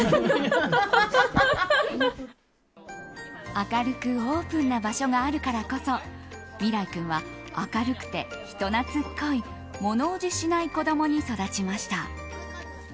明るくオープンな場所があるからこそ美良生君は明るくて人懐っこい物おじしない子供に育ちました。